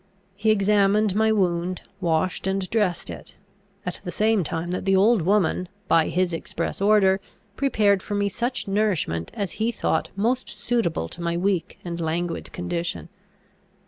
He examined my wound, washed and dressed it; at the same time that the old woman, by his express order, prepared for me such nourishment as he thought most suitable to my weak and languid condition.